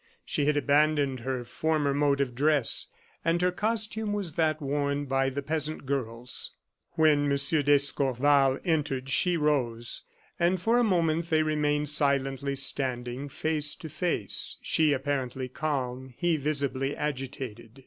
She had abandoned her former mode of dress, and her costume was that worn by the peasant girls. When M. d'Escorval entered she rose, and for a moment they remained silently standing, face to face, she apparently calm, he visibly agitated.